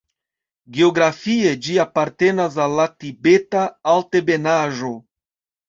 Geografie ĝi apartenas al la Tibeta altebenaĵo.